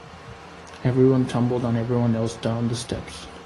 Everyone tumbled on everyone else down the steps.